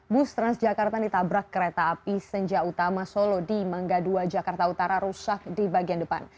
bus transjakarta ditabrak kereta api senja utama solo di mangga dua jakarta utara rusak di bagian depan